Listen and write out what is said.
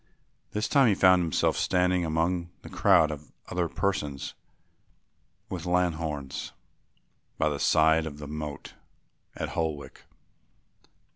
This time he found himself standing among a crowd of other persons with lanthorns by the side of the moat at Holwick.